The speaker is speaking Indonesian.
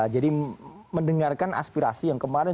jadi mendengarkan aspirasi yang kemarin